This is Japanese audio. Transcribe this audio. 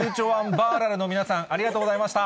バーラルの皆さん、ありがとうございました。